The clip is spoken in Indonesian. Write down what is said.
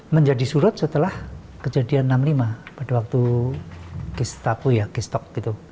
menjadi surut setelah kejadian enam puluh lima pada waktu kistok